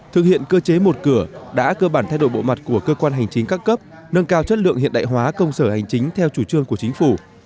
thực hiện cơ chế một cửa đã cơ bản thay đổi bộ mặt của cơ quan hành chính các cấp nâng cao chất lượng hiện đại hóa công sở hành chính theo chủ trương của chính phủ